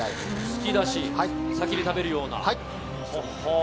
つきだし、先に食べるような。